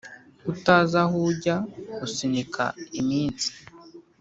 Utazi aho ujya usunika iminsi,